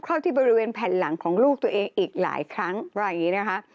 เข้าที่บริเวณแผ่นหลังของลูกตัวเองอีกหลายครั้งว่าอย่างนี้นะคะ